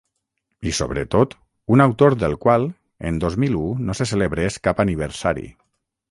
I sobretot, un autor del qual en dos mil u no se celebrés cap aniversari.